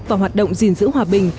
và hoạt động gìn giữ hòa bình